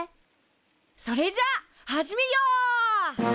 それじゃあ始めよう！